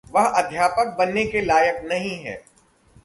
वह अध्यापक बनने के लायक नहीं है।